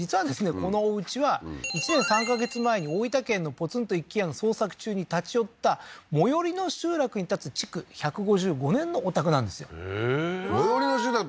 このおうちは１年３ヵ月前に大分県のポツンと一軒家の捜索中に立ち寄った最寄りの集落に建つ築１５５年のお宅なんですよへえー最寄りの集落って